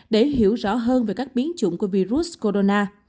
để hiểu rõ hơn về các biến chủng của virus corona